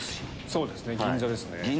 そうですね銀座ですね。